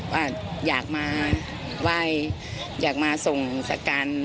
ว่าอยากมาไหว่อยากมาส่งสการหลงพ่อ